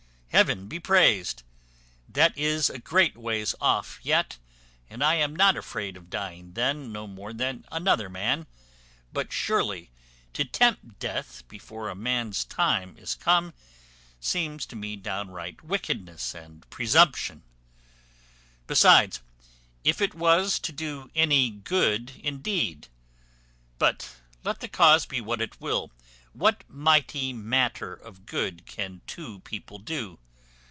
Heaven be praised, that is a great ways off yet; and I am not afraid of dying then, no more than another man; but, surely, to tempt death before a man's time is come seems to me downright wickedness and presumption. Besides, if it was to do any good indeed; but, let the cause be what it will, what mighty matter of good can two people do?